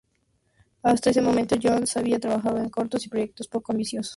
Hasta ese momento, Jones había trabajado en cortos y proyectos poco ambiciosos.